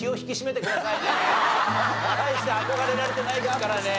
大して憧れられてないですからね。